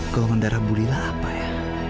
golongan darah bulila apa ya